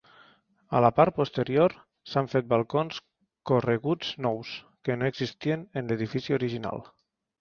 A la part posterior s'han fet balcons correguts nous que no existien en l'edifici original.